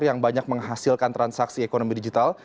yang banyak menghasilkan transaksi ekonomi digital